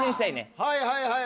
はいはいはい。